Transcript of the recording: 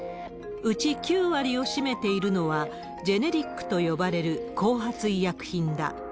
うち、９割を占めているのはジェネリックと呼ばれる後発医薬品だ。